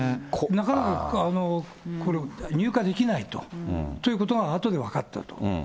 なかなかこれ、入荷できないということがあとで分かったと。